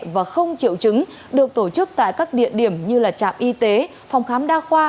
và không triệu chứng được tổ chức tại các địa điểm như trạm y tế phòng khám đa khoa